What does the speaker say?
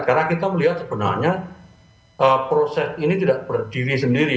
karena kita melihat sebenarnya proses ini tidak berdiri sendiri